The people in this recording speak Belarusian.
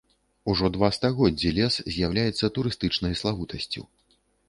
Ужо два стагоддзі лес з'яўляецца турыстычнай славутасцю.